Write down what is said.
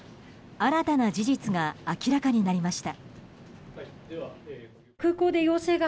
新たな事実が明らかになりました。